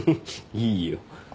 いいよ。